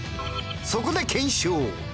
そこで検証。